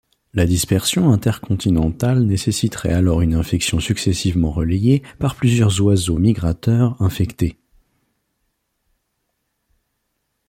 La dispersion intercontinentale nécessiterait alors une infection successivement relayée par plusieurs oiseaux migrateurs infectés.